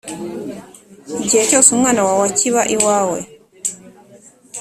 Igihe cyose umwana wawe akiba iwawe